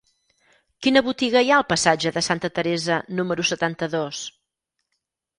Quina botiga hi ha al passatge de Santa Teresa número setanta-dos?